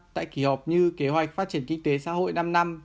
tại kỳ họp như kế hoạch phát triển kinh tế xã hội năm năm